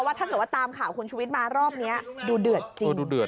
ถ้าเกิดว่าตามข่าวคุณชุวิตมารอบนี้ดูเดือดจริงดูเดือด